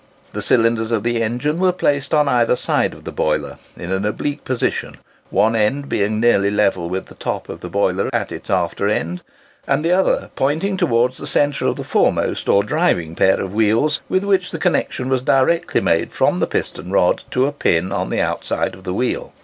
The cylinders of the engine were placed on each side of the boiler, in an oblique position, one end being nearly level with the top of the boiler at its after end, and the other pointing towards the centre of the foremost or driving pair of wheels, with which the connection was directly made from the piston rod, to a pin on the outside of the wheel.